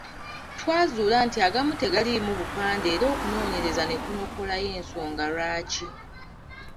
Twazuula nti agamu tegaalimu bupande era okunoonyereza ne kunokolayo ensonga lwaki.